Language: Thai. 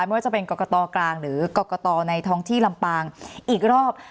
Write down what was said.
ไม่ว่าจะเป็นกรกตกลางหรือกรกตในท้องที่ลำปางอีกรอบ